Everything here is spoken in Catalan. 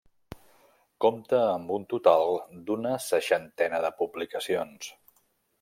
Compta amb un total d'una seixantena de publicacions.